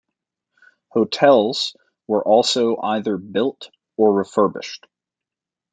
Hotels were also either built or refurbished.